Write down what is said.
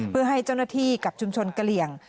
เพื่อให้เจ้าหน้าที่กับชุมชนกะเหลี่ยง